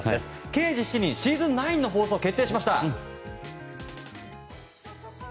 「刑事７人シーズン９」の放送が決定しました。